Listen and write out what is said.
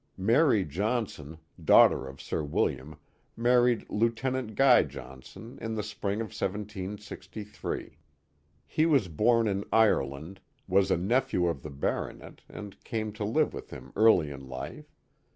Mary Johnson, daughter of Sir William, married Lieut. Guy Johnson in the spring of 1763. He was born in Ireland, was a nephew of the baronet and came to live with him early in life.